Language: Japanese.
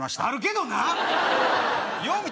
あるけどなよ